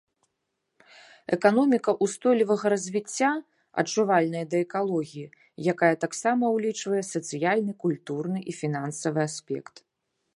Эканоміка ўстойлівага развіцця, адчувальная да экалогіі, якая таксама ўлічвае сацыяльны, культурны і фінансавы аспект.